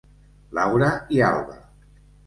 Laura i Alba.